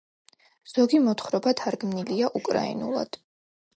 ზოგი მოთხრობა თარგმნილია უკრაინულად.